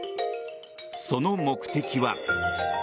その目的は。